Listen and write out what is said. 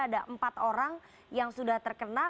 ada empat orang yang sudah terkena